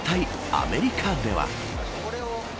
アメリカでは。